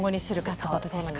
そうなんですね